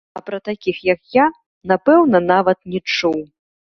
А пра такіх, як я, напэўна, нават не чуў.